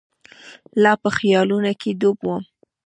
لا په خیالونو کې ډوب وم.